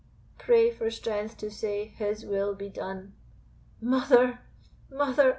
Pray for strength to say, His will be done!" "Mother! mother!